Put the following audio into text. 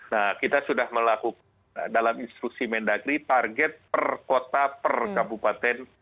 nah kita sudah melakukan dalam instruksi mendagri target per kota per kabupaten